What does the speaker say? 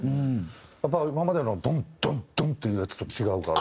やっぱ今までのドンドンドン！っていうやつと違うから。